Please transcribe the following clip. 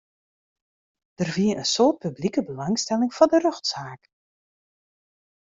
Der wie in soad publike belangstelling foar de rjochtsaak.